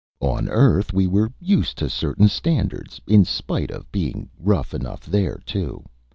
On Earth we were used to certain standards in spite of being rough enough there, too.